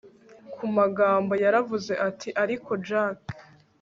kumagambo yaravuze ati ariko jack